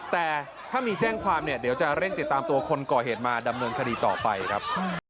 แต่ถ้ามีแจ้งความเนี่ยเดี๋ยวจะเร่งติดตามตัวคนก่อเหตุมาดำเนินคดีต่อไปครับ